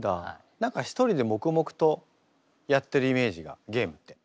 何か１人で黙々とやってるイメージがゲームって。